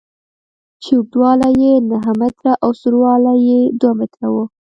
چې اوږدوالی یې نهه متره او سور او لوړوالی یې دوه متره و.